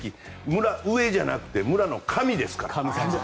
村上じゃなくて村神ですから。